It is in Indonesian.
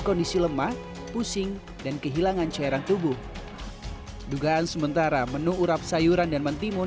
kondisi lemah pusing dan kehilangan cairan tubuh dugaan sementara menu urap sayuran dan mentimun